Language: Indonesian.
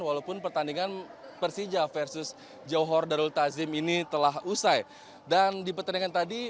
walaupun pertandingan persija versus johor darul tazim ini telah usai dan di pertandingan tadi